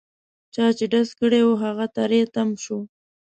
چا چې ډز کړی وو هغه تري تم شو.